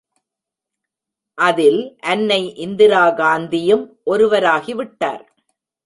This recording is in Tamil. அதில், அன்னை இந்திராகாந்தியும் ஒருவராகிவிட்டார்.